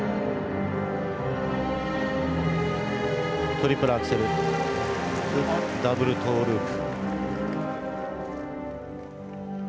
トリプルアクセルんダブルトウループ。